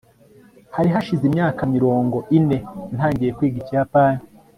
hari hashize imyaka mirongo ine ntangiye kwiga ikiyapani